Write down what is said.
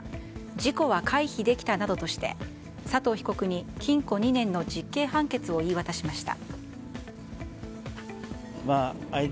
事故は回避できたなどして佐藤被告に禁錮２年の実刑判決を言い渡しました。